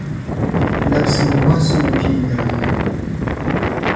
Labisimi bɔhisi ŋɔ viɛnyɛliŋa.